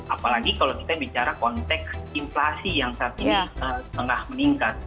apalagi kalau kita bicara konteks inflasi yang saat ini tengah meningkat